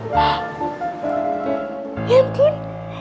wah ya ampun